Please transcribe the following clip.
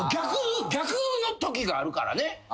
逆のときがあるからね。